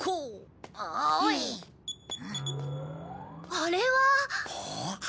あれは。